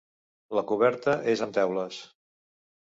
La coberta és amb teules.